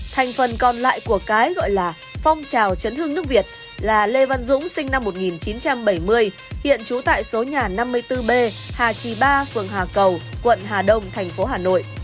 thành phần còn lại của cái gọi là phong trào chấn hương nước việt là lê văn dũng sinh năm một nghìn chín trăm bảy mươi hiện trú tại số nhà năm mươi bốn b hà trì ba phường hà cầu quận hà đông thành phố hà nội